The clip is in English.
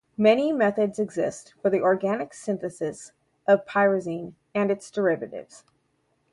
Many methods exist for the organic synthesis of pyrazine and its derivatives.